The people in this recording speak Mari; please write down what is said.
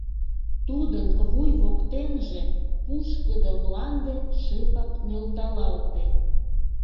Тудын вуй воктенже пушкыдо мланде шыпак нӧлталалте.